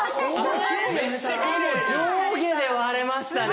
しかも上下で割れましたね。